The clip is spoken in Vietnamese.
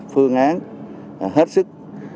phương án hết sức